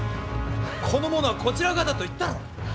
この者はこちら側だと言ったろう。